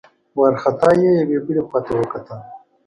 وارخطا يې يوې بلې خواته وکتل.